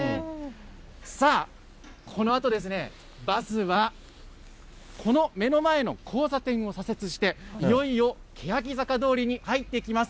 さあ、このあとですね、バスは、この目の前の交差点を左折して、いよいよけやき坂通りに入っていきます。